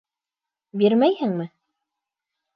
Бирмәйһеңме?